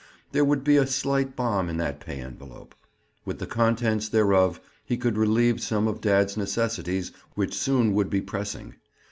There would be a slight balm in that pay envelope. With the contents thereof, he could relieve some of dad's necessities which soon would be pressing.